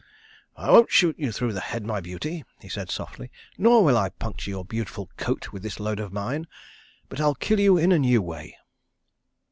"I won't shoot you through the head, my beauty," he said, softly, "nor will I puncture your beautiful coat with this load of mine, but I'll kill you in a new way."